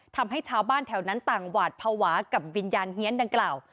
ทำให้ชาวบ้านแถวนั้นต่างหวาดภาวะกับวิญญาณเฮียนดังกล่าว